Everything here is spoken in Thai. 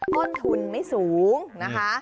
ต้นทุนไม่สูงนะคะ